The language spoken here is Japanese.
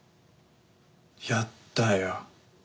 やったよ。